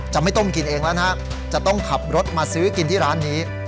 ไม่ต้มกินเองแล้วนะฮะจะต้องขับรถมาซื้อกินที่ร้านนี้